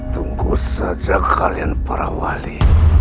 tunggu saja kalian para wali